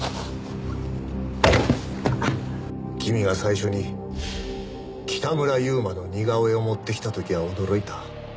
君が最初に北村悠馬の似顔絵を持ってきた時は驚いた。